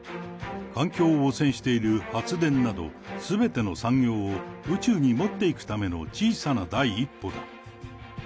環境を汚染している発電など、すべての産業を宇宙に持っていくための小さな第一歩だ。